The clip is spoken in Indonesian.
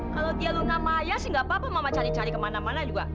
kalau dia luna maya sih nggak apa apa mama cari cari kemana mana juga